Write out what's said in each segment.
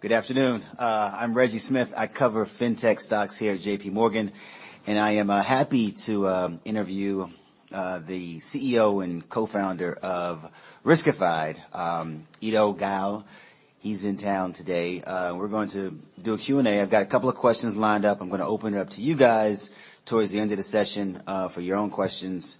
Good afternoon. I'm Reggie Smith. I cover fintech stocks here at JPMorgan. I am happy to interview the CEO and Co-Founder of Riskified, Eido Gal. He's in town today. We're going to do a Q&A. I've got a couple of questions lined up. I'm gonna open it up to you guys towards the end of the session, for your own questions.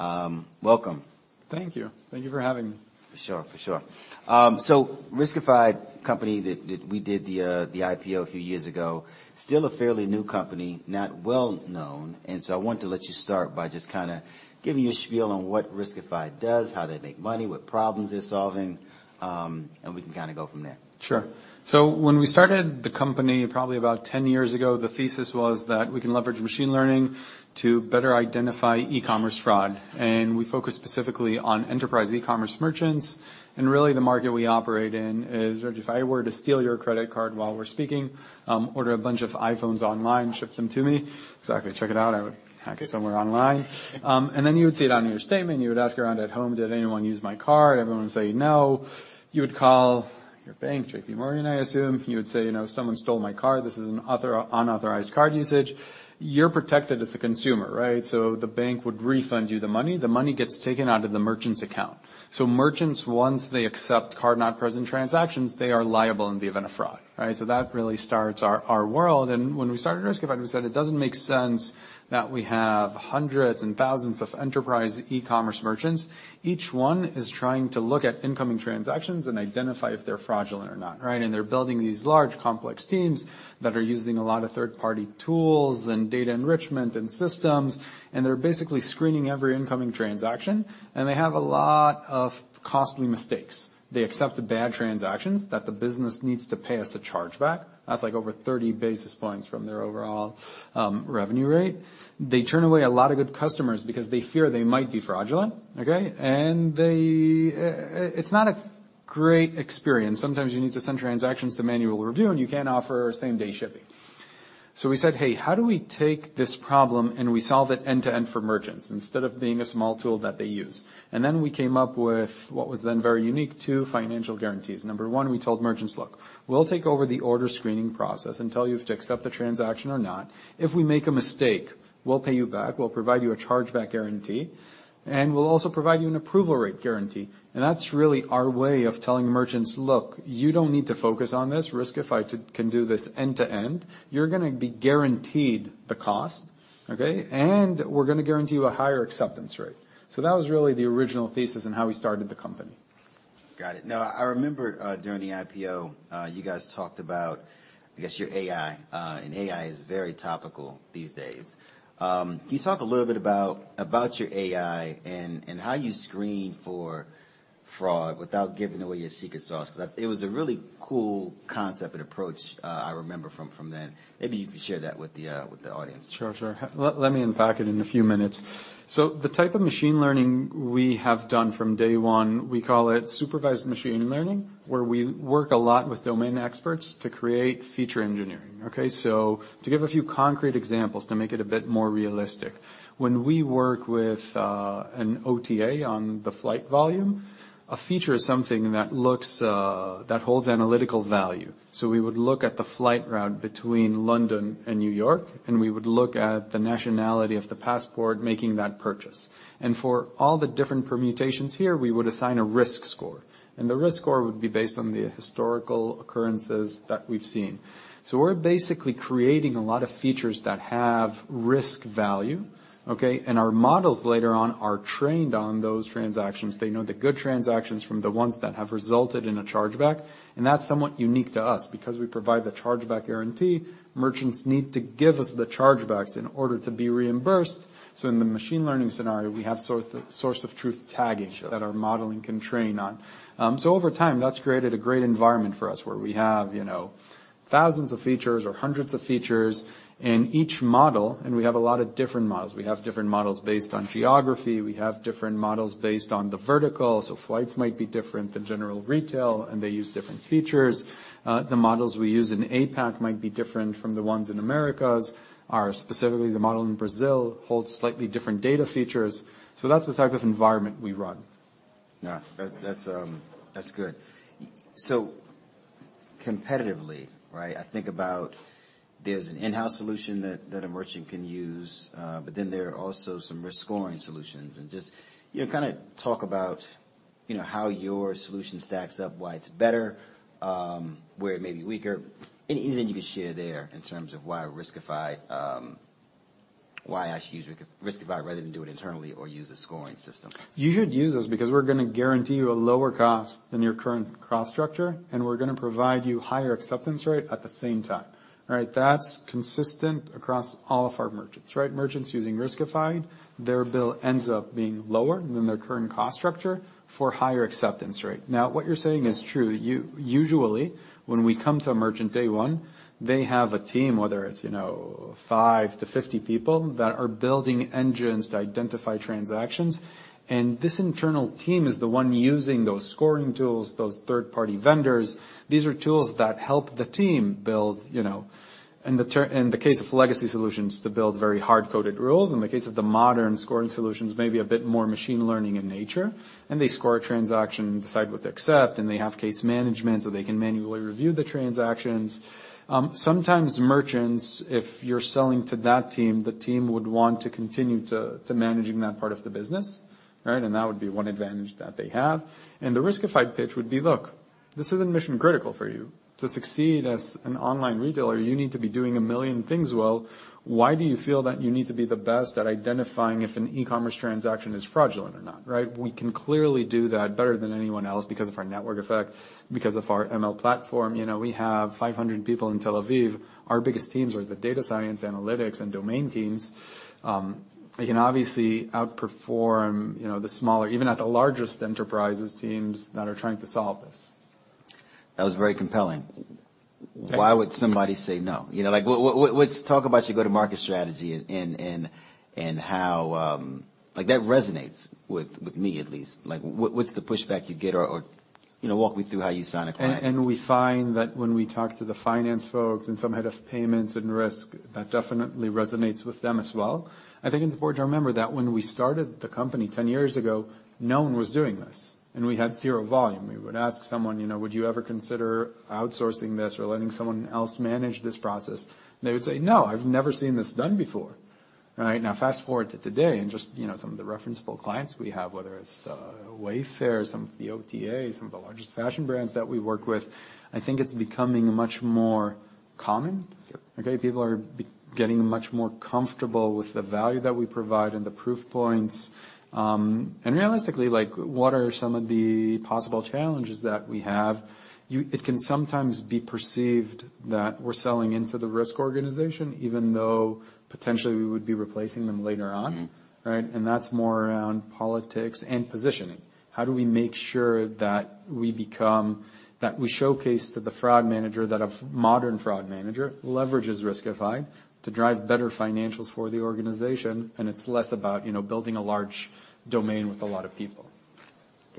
Welcome. Thank you. Thank you for having me. For sure, for sure. Riskified, company that we did the IPO a few years ago, still a fairly new company, not well-known. I want to let you start by just kinda giving your spiel on what Riskified does, how they make money, what problems they're solving. We can kinda go from there. Sure. When we started the company, probably about 10 years ago, the thesis was that we can leverage machine learning to better identify e-commerce fraud, and we focused specifically on enterprise e-commerce merchants. Really the market we operate in is, Reggie, if I were to steal your credit card while we're speaking, order a bunch of iPhones online, ship them to me. Exactly. Check it out. I would hack it somewhere online. Then you would see it on your statement. You would ask around at home, "Did anyone use my card?" Everyone would say, "No." You would call your bank, JPMorgan, I assume. You would say, you know, "Someone stole my card. This is unauthorized card usage." You're protected as a consumer, right? The bank would refund you the money. The money gets taken out of the merchant's account. Merchants, once they accept card not present transactions, they are liable in the event of fraud, right? That really starts our world. When we started Riskified, we said it doesn't make sense that we have hundreds and thousands of enterprise e-commerce merchants. Each one is trying to look at incoming transactions and identify if they're fraudulent or not, right? They're building these large, complex teams that are using a lot of third-party tools and data enrichment and systems, and they're basically screening every incoming transaction. They have a lot of costly mistakes. They accept the bad transactions that the business needs to pay us a chargeback. That's like over 30 basis points from their overall revenue rate. They turn away a lot of good customers because they fear they might be fraudulent, okay? It's not a great experience. Sometimes you need to send transactions to manual review, and you can't offer same-day shipping. We said, "Hey, how do we take this problem and we solve it end-to-end for merchants instead of being a small tool that they use?" Then we came up with what was then very unique to financial guarantees. Number one, we told merchants, "Look, we'll take over the order screening process and tell you if to accept the transaction or not. If we make a mistake, we'll pay you back. We'll provide you a Chargeback Guarantee, and we'll also provide you an approval rate guarantee." That's really our way of telling merchants, "Look, you don't need to focus on this. Riskified can do this end-to-end. You're gonna be guaranteed the cost, okay? We're gonna guarantee you a higher acceptance rate." That was really the original thesis and how we started the company. Got it. Now, I remember during the IPO, you guys talked about, I guess, your AI, and AI is very topical these days. Can you talk a little bit about your AI and how you screen for fraud without giving away your secret sauce? 'Cause it was a really cool concept and approach, I remember from then. Maybe you could share that with the audience. Sure. Sure. Let me unpack it in a few minutes. The type of machine learning we have done from day one, we call it supervised machine learning, where we work a lot with domain experts to create feature engineering, okay? To give a few concrete examples to make it a bit more realistic, when we work with an OTA on the flight volume, a feature is something that looks that holds analytical value. We would look at the flight route between London and New York, and we would look at the nationality of the passport making that purchase. For all the different permutations here, we would assign a risk score, and the risk score would be based on the historical occurrences that we've seen. We're basically creating a lot of features that have risk value, okay? Our models later on are trained on those transactions. They know the good transactions from the ones that have resulted in a chargeback, and that's somewhat unique to us. Because we provide the Chargeback Guarantee, merchants need to give us the chargebacks in order to be reimbursed. In the machine learning scenario, we have sort of source-of-truth tagging. Sure. that our modeling can train on. Over time, that's created a great environment for us, where we have, you know, thousands of features or hundreds of features in each model, and we have a lot of different models. We have different models based on geography. We have different models based on the vertical. Flights might be different than general retail, and they use different features. The models we use in APAC might be different from the ones in Americas. Our, specifically, the model in Brazil holds slightly different data features. That's the type of environment we run. Yeah. That's that's good. Competitively, right? I think about there's an in-house solution that a merchant can use, but then there are also some risk scoring solutions. Just, you know, kinda talk about, you know, how your solution stacks up, why it's better, where it may be weaker. Anything you can share there in terms of why Riskified, why I should use Riskified rather than do it internally or use a scoring system. You should use us because we're gonna guarantee you a lower cost than your current cost structure, and we're gonna provide you higher acceptance rate at the same time. All right? That's consistent across all of our merchants, right? Merchants using Riskified, their bill ends up being lower than their current cost structure for higher acceptance rate. Now, what you're saying is true. Usually, when we come to a merchant day one, they have a team, whether it's, you know, five to 50 people that are building engines to identify transactions. This internal team is the one using those scoring tools, those third-party vendors. These are tools that help the team build, you know, in the case of legacy solutions, to build very hard-coded rules. In the case of the modern scoring solutions, maybe a bit more machine learning in nature. They score a transaction, decide what to accept, and they have case management, so they can manually review the transactions. Sometimes merchants, if you're selling to that team, the team would want to continue to managing that part of the business, right? That would be one advantage that they have. The Riskified pitch would be, "Look, this isn't mission-critical for you. To succeed as an online retailer, you need to be doing a million things well. Why do you feel that you need to be the best at identifying if an e-commerce transaction is fraudulent or not, right? We can clearly do that better than anyone else because of our network effect, because of our ML platform. You know, we have 500 people in Tel Aviv. Our biggest teams are the Data Science, Analytics, and Domain teams. We can obviously outperform, you know, even at the largest enterprises teams that are trying to solve this. That was very compelling. Thank you. Why would somebody say no? You know, like what's talk about your go-to-market strategy and how. Like that resonates with me at least. Like what's the pushback you get? Or, you know, walk me through how you sign a client. We find that when we talk to the finance folks and some head of payments and risk, that definitely resonates with them as well. I think it's important to remember that when we started the company 10 years ago, no one was doing this, and we had zero volume. We would ask someone, you know, "Would you ever consider outsourcing this or letting someone else manage this process?" They would say, "No, I've never seen this done before." All right? Now fast-forward to today and just, you know, some of the referenceable clients we have, whether it's the Wayfair or some of the OTAs, some of the largest fashion brands that we work with, I think it's becoming much more common. Yep. Okay? People are getting much more comfortable with the value that we provide and the proof points. Realistically, like what are some of the possible challenges that we have? It can sometimes be perceived that we're selling into the risk organization, even though potentially we would be replacing them later on. Mm-hmm. Right? That's more around politics and positioning. How do we make sure that we showcase to the fraud manager that a modern fraud manager leverages Riskified to drive better financials for the organization, and it's less about, you know, building a large domain with a lot of people.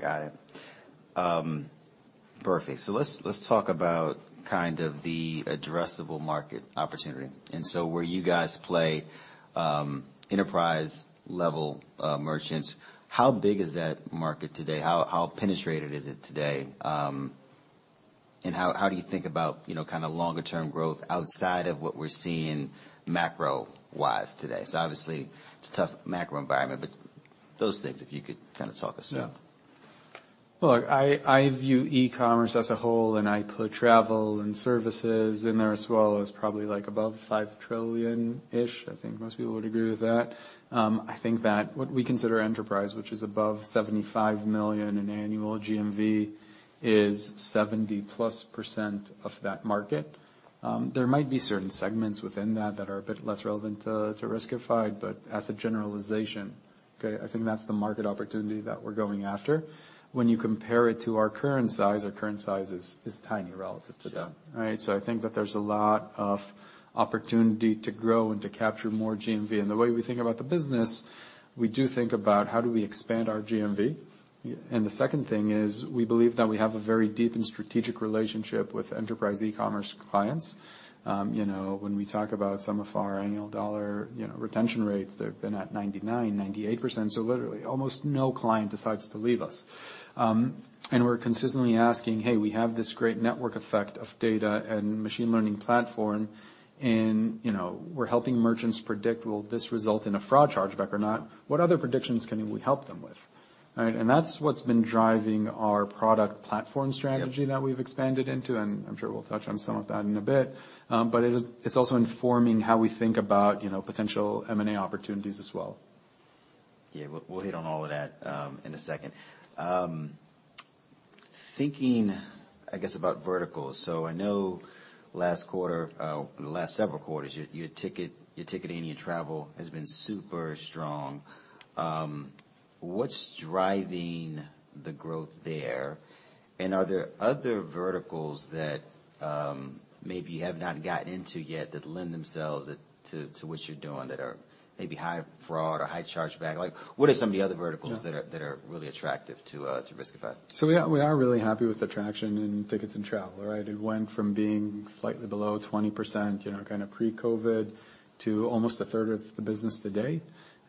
Got it. Perfect. Let's talk about kind of the addressable market opportunity, where you guys play, enterprise level, merchants. How big is that market today? How penetrated is it today? And how do you think about, you know, kinda longer term growth outside of what we're seeing macro-wise today? Obviously it's a tough macro environment, those things, if you could kinda talk us through. Well, I view eCommerce as a whole, and I put travel and services in there as well as probably like above $5 trillion-ish. I think most people would agree with that. I think that what we consider enterprise, which is above $75 million in annual GMV, is 70%+ of that market. There might be certain segments within that that are a bit less relevant to Riskified, but as a generalization, okay, I think that's the market opportunity that we're going after. When you compare it to our current size, our current size is tiny relative to that. Sure. All right? I think that there's a lot of opportunity to grow and to capture more GMV. The way we think about the business, we do think about how do we expand our GMV. Yeah. The second thing is we believe that we have a very deep and strategic relationship with enterprise e-commerce clients. You know, when we talk about some of our annual dollar, you know, retention rates, they've been at 99%, 98%, so literally almost no client decides to leave us. We're consistently asking, "Hey, we have this great network effect of data and machine learning platform and, you know, we're helping merchants predict will this result in a fraud chargeback or not? What other predictions can we help them with?" All right? That's what's been driving our product platform strategy- Yeah... that we've expanded into, and I'm sure we'll touch on some of that in a bit. It's also informing how we think about, you know, potential M&A opportunities as well. Yeah. We'll hit on all of that in a second. Thinking, I guess about verticals, so I know last quarter, the last several quarters, your ticketing and your travel has been super strong. What's driving the growth there? Are there other verticals that maybe you have not gotten into yet that lend themselves to what you're doing that are maybe high fraud or high chargeback? Like what are some of the other verticals- Yeah... that are really attractive to Riskified? We are really happy with the traction in tickets and travel, right? It went from being slightly below 20%, you know, kind of pre-COVID, to almost a third of the business today.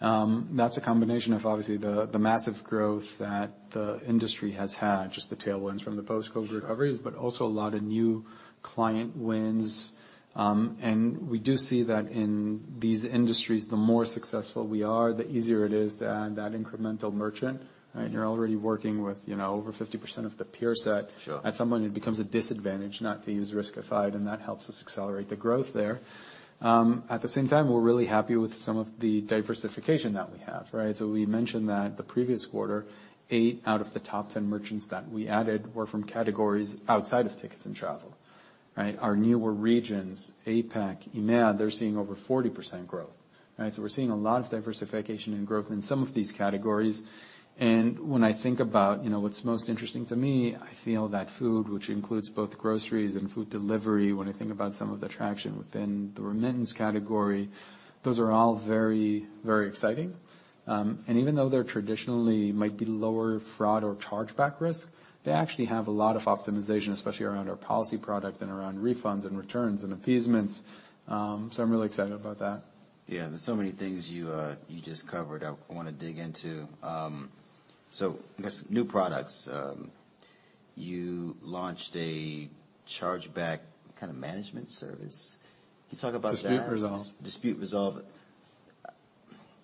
That's a combination of obviously the massive growth that the industry has had, just the tailwinds from the post-COVID recoveries, but also a lot of new client wins. We do see that in these industries, the more successful we are, the easier it is to add that incremental merchant, right? You're already working with, you know, over 50% of the peer set. Sure. At some point it becomes a disadvantage not to use Riskified, and that helps us accelerate the growth there. At the same time, we're really happy with some of the diversification that we have, right? We mentioned that the previous quarter, eight out of the top 10 merchants that we added were from categories outside of tickets and travel, right? Our newer regions, APAC, EMEA, they're seeing over 40% growth, right? We're seeing a lot of diversification and growth in some of these categories. When I think about, you know, what's most interesting to me, I feel that food, which includes both groceries and food delivery, when I think about some of the traction within the remittance category, those are all very, very exciting. Even though they're traditionally might be lower fraud or chargeback risk, they actually have a lot of optimization, especially around our Policy Protect and around refunds and returns and appeasements. I'm really excited about that. Yeah. There's so many things you just covered I wanna dig into. I guess new products. You launched a chargeback kind of management service. Can you talk about that? Dispute Resolve. Dispute Resolve.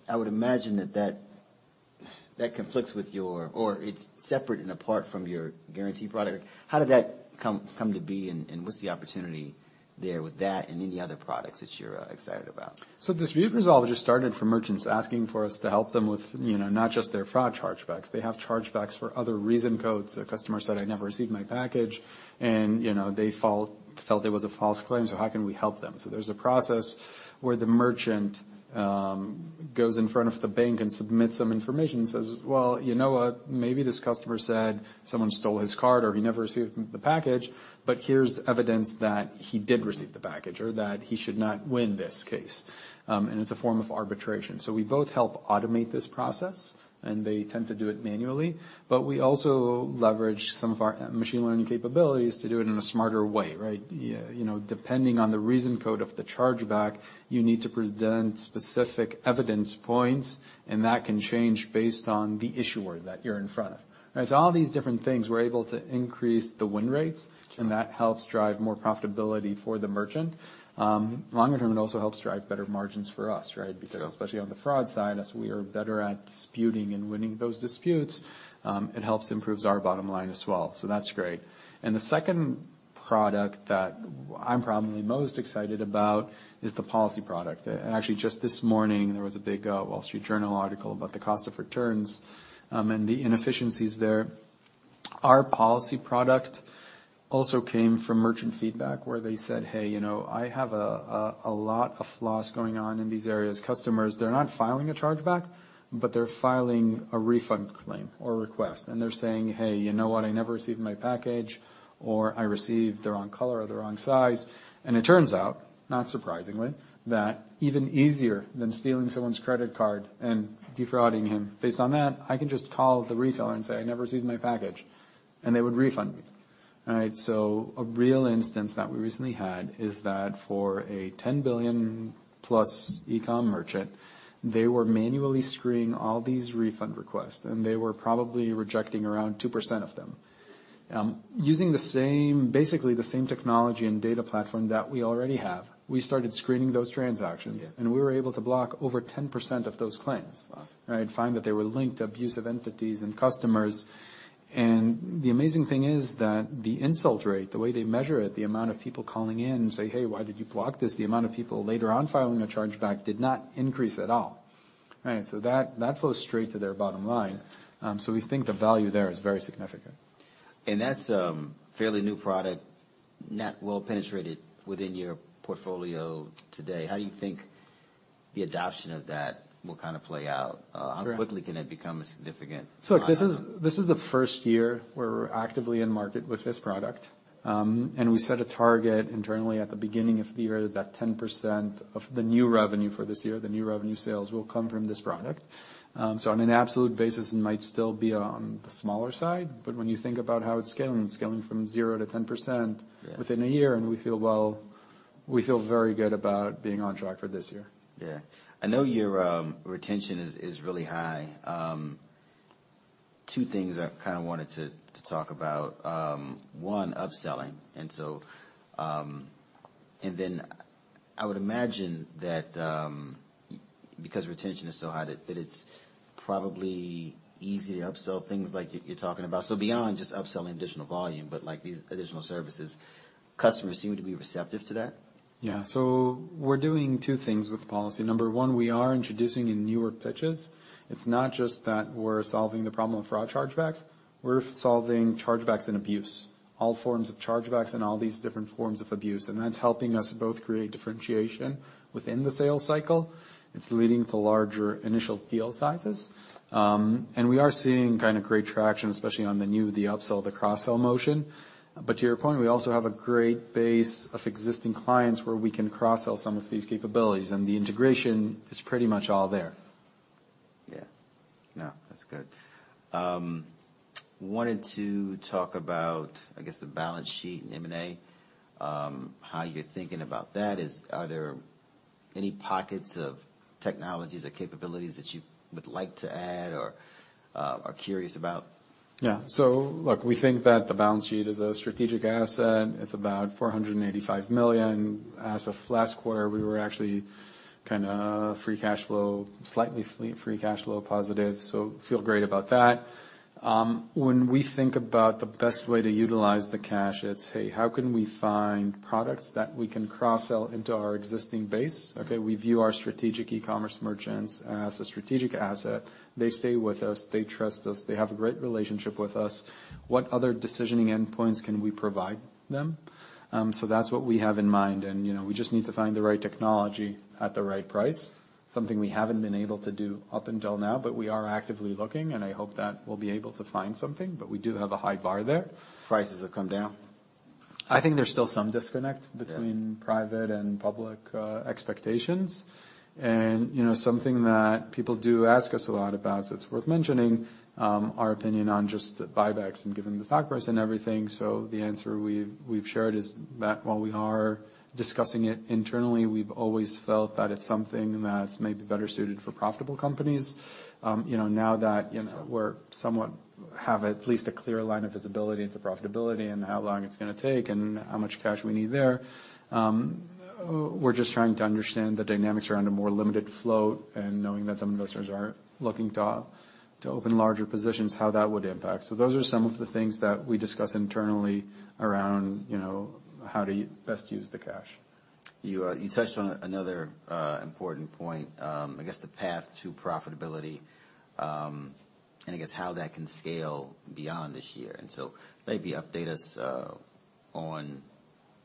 I would imagine that conflicts with your or it's separate and apart from your Guarantee product. How did that come to be, and what's the opportunity there with that and any other products that you're excited about? Dispute Resolve just started from merchants asking for us to help them with, you know, not just their fraud chargebacks. They have chargebacks for other reason codes. A customer said, "I never received my package," and, you know, felt it was a false claim, so how can we help them? There's a process where the merchant goes in front of the bank and submits some information, says, "Well, you know what? Maybe this customer said someone stole his card or he never received the package, but here's evidence that he did receive the package or that he should not win this case." It's a form of arbitration. We both help automate this process, and they tend to do it manually, but we also leverage some of our machine learning capabilities to do it in a smarter way, right? You know, depending on the reason code of the chargeback, you need to present specific evidence points, and that can change based on the issuer that you're in front of. All these different things, we're able to increase the win rates. Sure. That helps drive more profitability for the merchant. Longer term, it also helps drive better margins for us, right? Sure. Especially on the fraud side, as we are better at disputing and winning those disputes, it helps improves our bottom line as well. That's great. The second product that I'm probably most excited about is the policy product. Actually, just this morning there was a big Wall Street Journal article about the cost of returns and the inefficiencies there. Our policy product also came from merchant feedback, where they said, "Hey, you know, I have a lot of loss going on in these areas. Customers, they're not filing a chargeback, but they're filing a refund claim or request, and they're saying, 'Hey, you know what?' I never received my package,' or, 'I received the wrong color or the wrong size.'" It turns out, not surprisingly, that even easier than stealing someone's credit card and defrauding him based on that, I can just call the retailer and say, "I never received my package," and they would refund me. All right? A real instance that we recently had is that for a $10+ billion e-com merchant, they were manually screening all these refund requests, and they were probably rejecting around 2% of them. Using basically the same technology and data platform that we already have, we started screening those transactions. Yeah. We were able to block over 10% of those claims. Wow. Right. Find that they were linked to abusive entities and customers. The amazing thing is that the insult rate, the way they measure it, the amount of people calling in, say, "Hey, why did you block this?" The amount of people later on filing a chargeback did not increase at all. Right? That flows straight to their bottom line. We think the value there is very significant. That's a fairly new product, not well penetrated within your portfolio today. How do you think the adoption of that will kinda play out? Sure. How quickly can it become a significant product? This is the first year we're actively in market with this product. We set a target internally at the beginning of the year that 10% of the new revenue for this year, the new revenue sales, will come from this product. On an absolute basis, it might still be on the smaller side, but when you think about how it's scaling, it's scaling from 0% to 10%. Yeah. Within a year, we feel, well, we feel very good about being on track for this year. Yeah. I know your retention is really high. Two things I kinda wanted to talk about. One, upselling. I would imagine that, because retention is so high that it's probably easy to upsell things like you're talking about. Beyond just upselling additional volume, but like these additional services, customers seem to be receptive to that. We're doing two things with policy. Number one, we are introducing in newer pitches. It's not just that we're solving the problem of fraud chargebacks, we're solving chargebacks and abuse. All forms of chargebacks and all these different forms of abuse, that's helping us both create differentiation within the sales cycle. It's leading to larger initial deal sizes. We are seeing kinda great traction, especially on the new, the upsell, the cross-sell motion. To your point, we also have a great base of existing clients where we can cross-sell some of these capabilities, the integration is pretty much all there. Yeah. No, that's good. wanted to talk about, I guess, the balance sheet and M&A, how you're thinking about that. Are there any pockets of technologies or capabilities that you would like to add or are curious about? Yeah. Look, we think that the balance sheet is a strategic asset. It's about $485 million. As of last quarter, we were actually kinda free cash flow, slightly free cash flow positive, so feel great about that. When we think about the best way to utilize the cash, it's, hey, how can we find products that we can cross-sell into our existing base? Okay. We view our strategic e-commerce merchants as a strategic asset. They stay with us. They trust us. They have a great relationship with us. What other decisioning endpoints can we provide them? That's what we have in mind. You know, we just need to find the right technology at the right price, something we haven't been able to do up until now. We are actively looking. I hope that we'll be able to find something. We do have a high bar there. Prices have come down. I think there's still some disconnect- Yeah. between private and public, expectations. You know, something that people do ask us a lot about, so it's worth mentioning, our opinion on just the buybacks and given the stock price and everything. The answer we've shared is that while we are discussing it internally, we've always felt that it's something that's maybe better suited for profitable companies. Now that, you know, we have at least a clear line of visibility into profitability and how long it's gonna take and how much cash we need there. We're just trying to understand the dynamics around a more limited flow and knowing that some investors are looking to open larger positions, how that would impact. Those are some of the things that we discuss internally around, you know, how to best use the cash. You touched on another important point, I guess the path to profitability, and I guess how that can scale beyond this year. Maybe update us on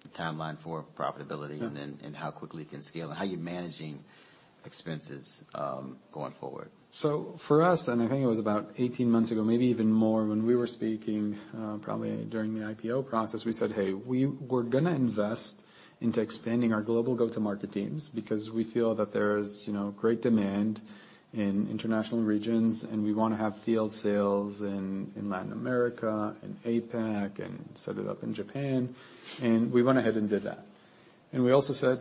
the timeline for profitability. Yeah... and then, and how quickly it can scale, and how you're managing expenses, going forward. For us, I think it was about 18 months ago, maybe even more, when we were speaking, probably during the IPO process, we said, "Hey, we're gonna invest into expanding our global go-to-market teams because we feel that there's, you know, great demand in international regions, and we wanna have field sales in Latin America and APAC and set it up in Japan." We went ahead and did that. We also said,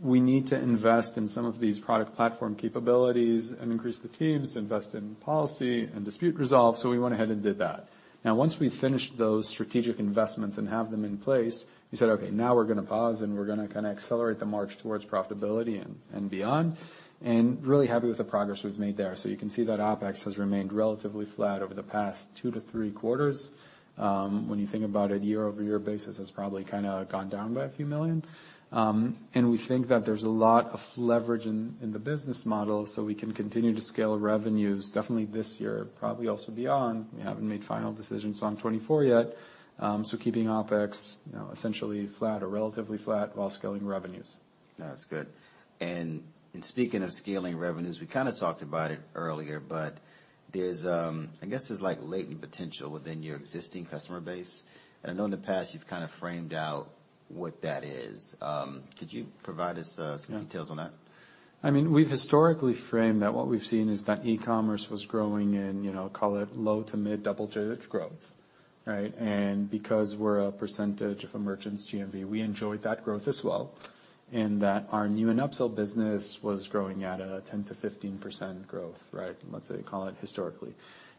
"We need to invest in some of these product platform capabilities and increase the teams to invest in policy and dispute resolve." We went ahead and did that. Once we finished those strategic investments and have them in place, we said, "Okay, now we're gonna pause, and we're gonna kinda accelerate the march towards profitability and beyond." Really happy with the progress we've made there. You can see that OpEx has remained relatively flat over the past two to three quarters. When you think about a year-over-year basis, it's probably kinda gone down by a few million. And we think that there's a lot of leverage in the business model, so we can continue to scale revenues definitely this year, probably also beyond. We haven't made final decisions on 2024 yet. So keeping OpEx, you know, essentially flat or relatively flat while scaling revenues. That's good. In speaking of scaling revenues, we kinda talked about it earlier, but there's like latent potential within your existing customer base. I know in the past you've kinda framed out what that is. Could you provide us? Yeah... some details on that? I mean, we've historically framed that what we've seen is that e-commerce was growing and, you know, call it low to mid double-digit growth, right? Because we're a percentage of a merchant's GMV, we enjoyed that growth as well in that our new and upsell business was growing at a 10% to 15% growth, right? Let's say, call it historically.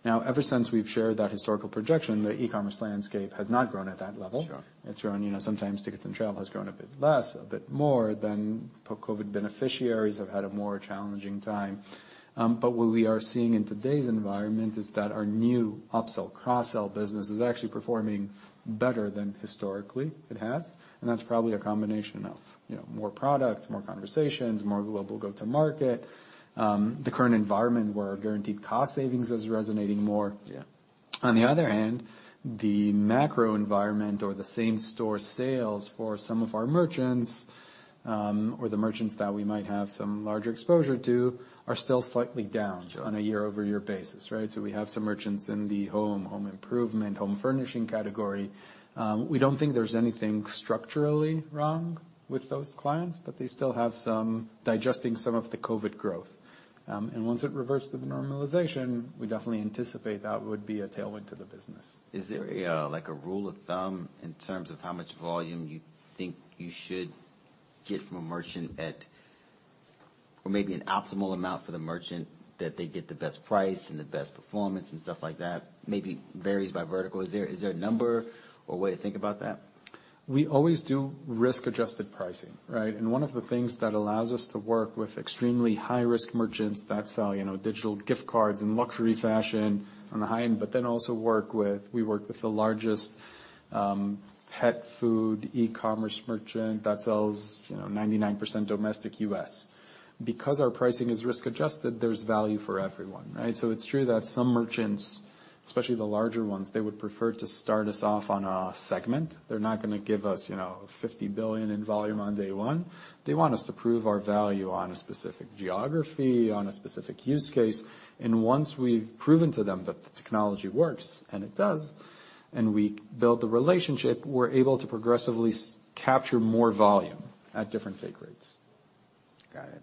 Ever since we've shared that historical projection, the e-commerce landscape has not grown at that level. Sure. It's grown, you know, sometimes tickets and travel has grown a bit less, a bit more. Post-COVID beneficiaries have had a more challenging time. What we are seeing in today's environment is that our new upsell, cross-sell business is actually performing better than historically it has, and that's probably a combination of, you know, more products, more conversations, more global go-to-market, the current environment where our guaranteed cost savings is resonating more. Yeah. On the other hand, the macro environment or the same store sales for some of our merchants, or the merchants that we might have some larger exposure to, are still slightly down. Sure... on a year-over-year basis, right? We have some merchants in the home improvement, home furnishing category. We don't think there's anything structurally wrong with those clients, but they still have some digesting some of the COVID growth. Once it reverts to the normalization, we definitely anticipate that would be a tailwind to the business. Is there like a rule of thumb in terms of how much volume you think you should get from a merchant at, or maybe an optimal amount for the merchant that they get the best price and the best performance and stuff like that? Maybe varies by vertical. Is there a number or a way to think about that? We always do risk-adjusted pricing, right? One of the things that allows us to work with extremely high-risk merchants that sell, you know, digital gift cards and luxury fashion on the high-end. We work with the largest pet food e-commerce merchant that sells, you know, 99% domestic U.S. Because our pricing is risk-adjusted, there's value for everyone, right? It's true that some merchants, especially the larger ones, they would prefer to start us off on a segment. They're not gonna give us, you know, $50 billion in volume on day one. They want us to prove our value on a specific geography, on a specific use case, and once we've proven to them that the technology works, and it does, and we build the relationship, we're able to progressively capture more volume at different take rates. Got it.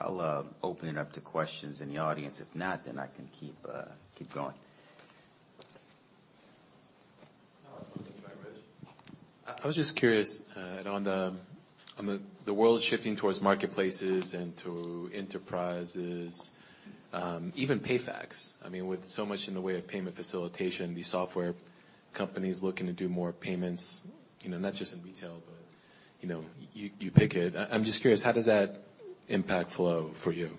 I'll open it up to questions in the audience. If not, I can keep going. I was wondering if I may. I was just curious, on the world shifting towards marketplaces and to enterprises, even PayFacs. I mean, with so much in the way of payment facilitation, the software companies looking to do more payments, you know, not just in retail, but, you know, you pick it. I'm just curious, how does that impact flow for you?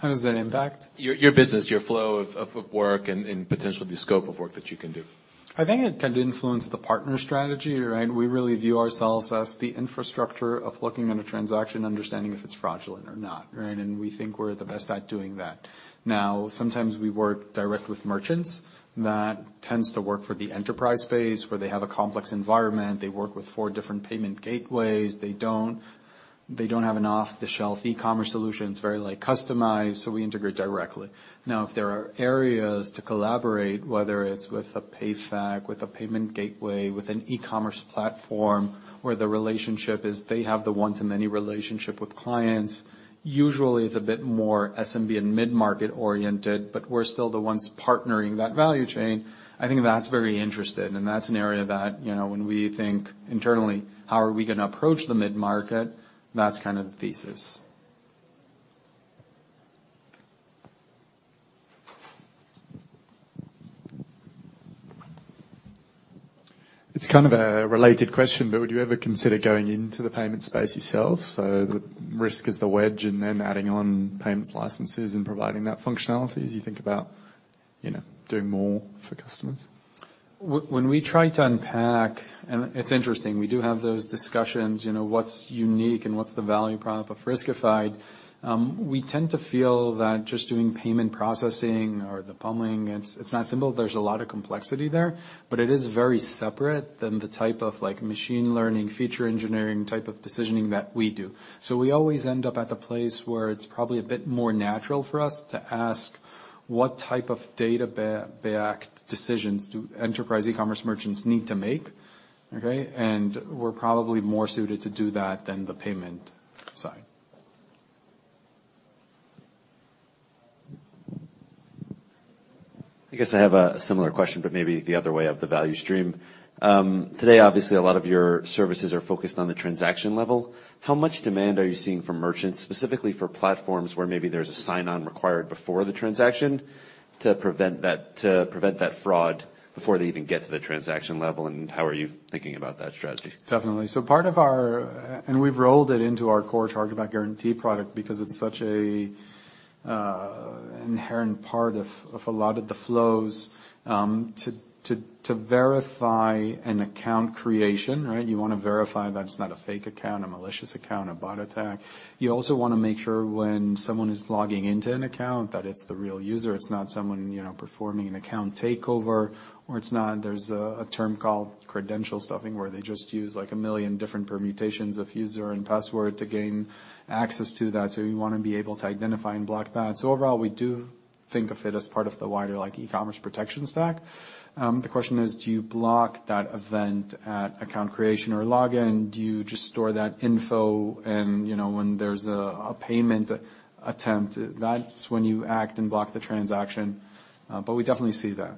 How does that impact? Your business, your flow of work and potentially the scope of work that you can do. I think it can influence the partner strategy, right? We really view ourselves as the infrastructure of looking at a transaction, understanding if it's fraudulent or not, right? We think we're the best at doing that. Now, sometimes we work direct with merchants. That tends to work for the enterprise space, where they have a complex environment. They work with four different payment gateways. They don't have an off-the-shelf e-commerce solution. It's very, like, customized, so we integrate directly. Now, if there are areas to collaborate, whether it's with a PayFac, with a payment gateway, with an e-commerce platform, where the relationship is they have the one-to-many relationship with clients, usually it's a bit more SMB and mid-market oriented, but we're still the ones partnering that value chain. I think that's very interesting, and that's an area that, you know, when we think internally, how are we gonna approach the mid-market, that's kind of the thesis. It's kind of a related question, but would you ever consider going into the payment space yourself so that Riskified is the wedge and then adding on payments licenses and providing that functionality as you think about, you know, doing more for customers? When we try to unpack. It's interesting, we do have those discussions, you know, what's unique and what's the value prop of Riskified. We tend to feel that just doing payment processing or the plumbing, it's not simple. There's a lot of complexity there. It is very separate than the type of like machine learning, feature engineering type of decisioning that we do. We always end up at the place where it's probably a bit more natural for us to ask what type of data backed decisions do enterprise e-commerce merchants need to make, okay? We're probably more suited to do that than the payment side. I guess I have a similar question, maybe the other way of the value stream. Today, obviously, a lot of your services are focused on the transaction level. How much demand are you seeing from merchants, specifically for platforms where maybe there's a sign-on required before the transaction to prevent that fraud before they even get to the transaction level, and how are you thinking about that strategy? Definitely. We've rolled it into our core Chargeback Guarantee product because it's such a inherent part of a lot of the flows to verify an account creation, right? You wanna verify that it's not a fake account, a malicious account, a bot attack. You also wanna make sure when someone is logging into an account that it's the real user. It's not someone, you know, performing an account takeover, or there's a term called credential stuffing, where they just use like a million different permutations of user and password to gain access to that. You wanna be able to identify and block that. Overall, we do think of it as part of the wider like e-commerce protection stack. The question is, do you block that event at account creation or login? Do you just store that info and, you know, when there's a payment attempt, that's when you act and block the transaction. We definitely see that.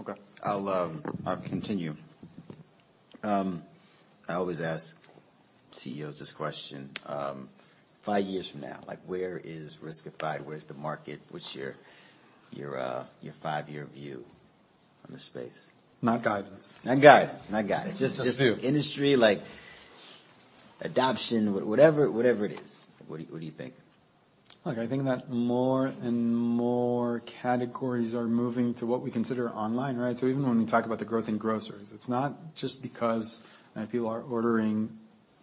Okay. I'll continue. I always ask CEOs this question. Five years from now, like, where is Riskified? Where is the market? What's your five-year view on the space? Not guidance. Not guidance, not guidance. Just a view. Just industry, like adoption, whatever it is. What do you think? Look, I think that more and more categories are moving to what we consider online, right? Even when we talk about the growth in groceries, it's not just because people are ordering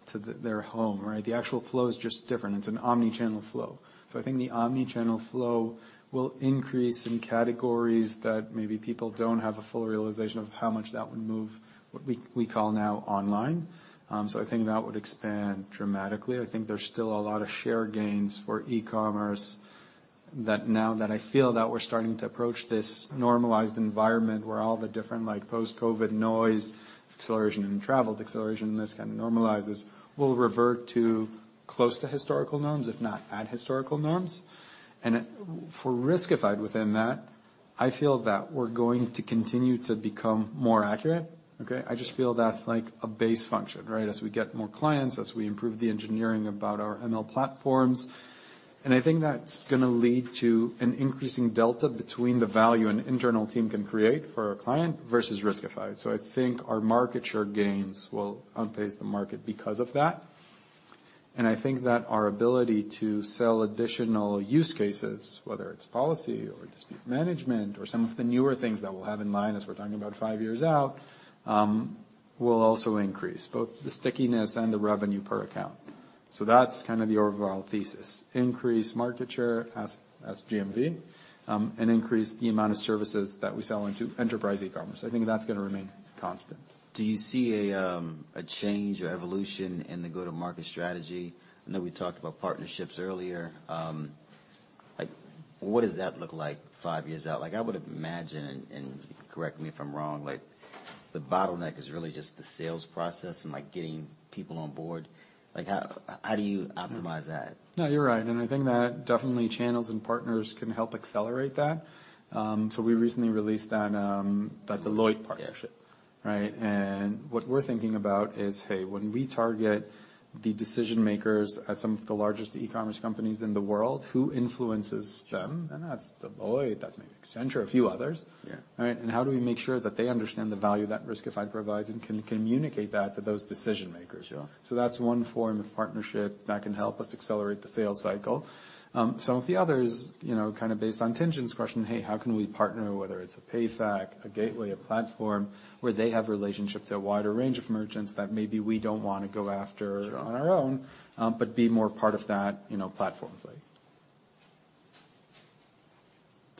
to their home, right? The actual flow is just different. It's an omni-channel flow. I think the omni-channel flow will increase in categories that maybe people don't have a full realization of how much that would move what we call now online. I think that would expand dramatically. I think there's still a lot of share gains for e-commerce that now that I feel that we're starting to approach this normalized environment where all the different, like post-COVID noise, acceleration in travel, deceleration in this kind of normalizes, will revert to close to historical norms, if not at historical norms. For Riskified within that, I feel that we're going to continue to become more accurate, okay? I just feel that's like a base function, right? As we get more clients, as we improve the engineering about our ML platforms, I think that's gonna lead to an increasing delta between the value an internal team can create for a client versus Riskified. I think our market share gains will outpace the market because of that. I think that our ability to sell additional use cases, whether it's policy or dispute management or some of the newer things that we'll have in line as we're talking about five years out, will also increase both the stickiness and the revenue per account. That's kind of the overall thesis. Increase market share as GMV, and increase the amount of services that we sell into enterprise e-commerce. I think that's gonna remain constant. Do you see a change or evolution in the go-to-market strategy? I know we talked about partnerships earlier. Like what does that look like five years out? Like I would imagine, and correct me if I'm wrong, like the bottleneck is really just the sales process and like getting people on board. Like how do you optimize that? No, you're right. I think that definitely channels and partners can help accelerate that. We recently released that Deloitte partnership, right? What we're thinking about is, hey, when we target the decision makers at some of the largest e-commerce companies in the world, who influences them? That's Deloitte. That's maybe Accenture, a few others. Yeah. Right? How do we make sure that they understand the value that Riskified provides and can communicate that to those decision makers? Yeah. That's one form of partnership that can help us accelerate the sales cycle. Some of the others, you know, kind of based on Tien-Tsin's question, hey, how can we partner, whether it's a PayFac, a gateway, a platform, where they have relationship to a wider range of merchants that maybe we don't wanna go after. Sure. -on our own, but be more part of that, you know, platform play.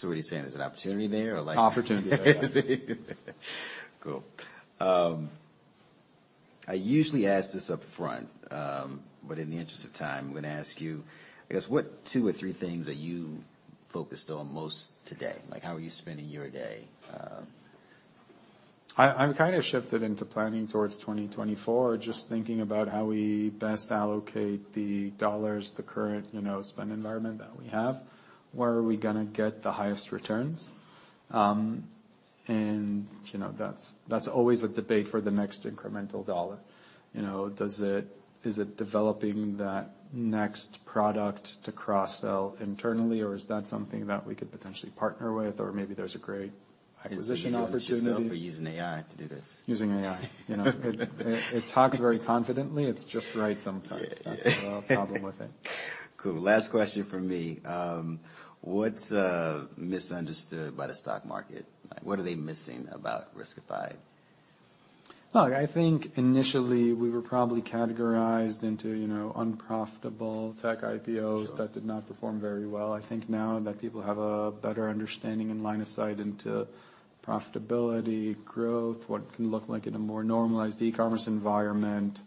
What are you saying? There's an opportunity there or? Opportunity. Cool. I usually ask this upfront, but in the interest of time, I'm gonna ask you, I guess, what two or three things are you focused on most today? Like, how are you spending your day? I'm kinda shifted into planning towards 2024. Just thinking about how we best allocate the U.S. dollars, the current, you know, spend environment that we have. Where are we gonna get the highest returns? you know, that's always a debate for the next incremental U.S. dollar. You know, is it developing that next product to cross-sell internally, or is that something that we could potentially partner with? Maybe there's a great acquisition opportunity. I can see you doing it yourself or using AI to do this. Using AI. You know, it talks very confidently. It's just right sometimes. Yeah, yeah. That's the only problem with it. Cool. Last question from me. What's misunderstood by the stock market? Like, what are they missing about Riskified? Look, I think initially we were probably categorized into, you know, unprofitable tech IPOs- Sure. -that did not perform very well. I think now that people have a better understanding and line of sight into profitability, growth, what it can look like in a more normalized e-commerce environment,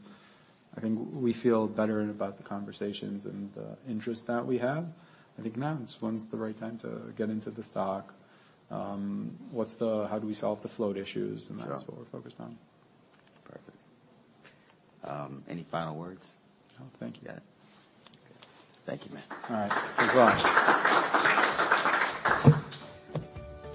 I think we feel better about the conversations and the interest that we have. When's the right time to get into the stock? How do we solve the float issues? Sure. That's what we're focused on. Perfect. Any final words? No, thank you. Got it. Thank you, man. All right. Thanks a lot.